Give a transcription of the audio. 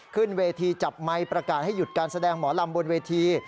ขึ้นเวทีจับไมค์ประกาศให้หยุดการแสดงหมอลำบนเวที